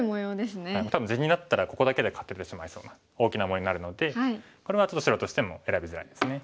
多分地になったらここだけで勝ててしまいそうな大きな模様になるのでこれはちょっと白としても選びづらいですね。